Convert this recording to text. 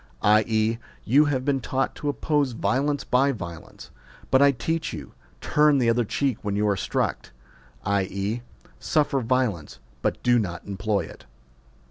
i.e. you have been taught to oppose violence by violence, but I teach you : turn the other cheek when you are struck ; i.e. suffer viol ence, but do not employ it.